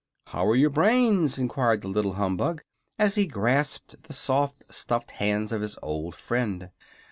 "How are your brains?" enquired the little humbug, as he grasped the soft, stuffed hands of his old friend.